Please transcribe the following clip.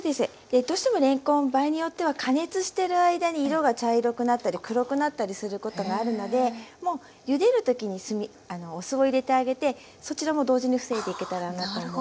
どうしてもれんこん場合によっては加熱してる間に色が茶色くなったり黒くなったりすることがあるのでもうゆでる時にお酢を入れてあげてそちらも同時に防いでいけたらなと思います。